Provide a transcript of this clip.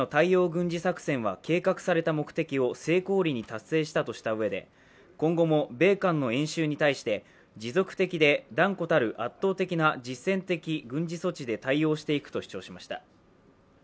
軍事作戦は計画された目的を成功裏に達成したとしたうえで、今後も米韓の演習に対して持続的で断固たる圧倒的な実践的軍事措置で対応していくと主張しました。